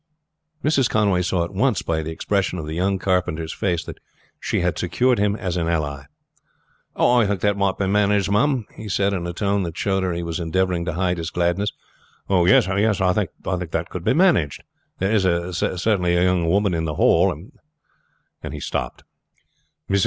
Mrs. Conway saw at once by the expression of the young carpenter's face that she had secured him as an ally. "I think that might be managed, ma'am," he said in a tone that showed her he was endeavoring to hide his gladness. "Yes, I think that could be managed. There is certainly a young woman at the Hall " and he stopped. Mrs.